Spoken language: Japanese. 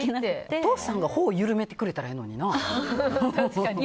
お父さんが歩を緩めてくれたらええのにな。